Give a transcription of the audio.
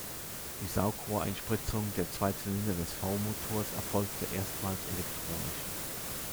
Die Saugrohreinspritzung der zwei Zylinder des V-Motors erfolgte erstmals elektronisch.